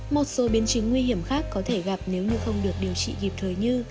một số biến chứng nguy hiểm khác có thể gặp nếu như không được điều trị kịp thời như